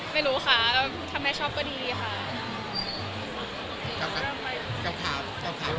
มีโอกาสแวะไปที่บ้าน